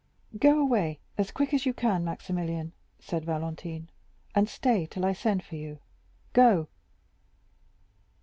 "Go away as quick as you can, Maximilian," said Valentine, "and stay till I send for you. Go."